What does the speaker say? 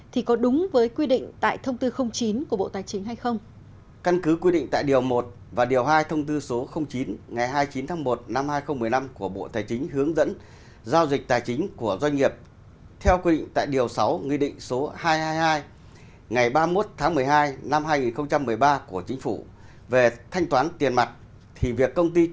thì có đúng với quy định tại thông tư chín của bộ tài chính hay không